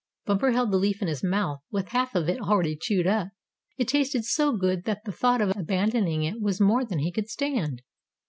Bumper held the leaf in his mouth, with half of it already chewed up. It tasted so good that the thought of abandoning it was more than he could stand.